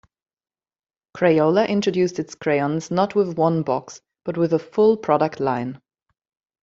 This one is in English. Crayola introduced its crayons not with one box, but with a full product line.